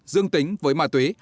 dương tính với ma túy